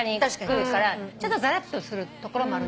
ちょっとざらっとするところもあるんだけど。